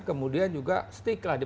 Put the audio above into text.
kemudian juga stick lah